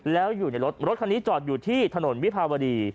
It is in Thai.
แล้วอยู่ในรถรถคันนี้จอดอยู่ที่ถนนวิภาวดี